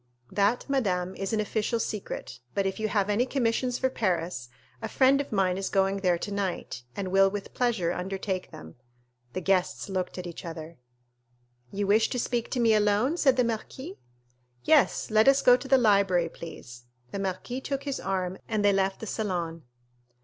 "That, madame, is an official secret; but if you have any commissions for Paris, a friend of mine is going there tonight, and will with pleasure undertake them." The guests looked at each other. "You wish to speak to me alone?" said the marquis. "Yes, let us go to the library, please." The marquis took his arm, and they left the salon.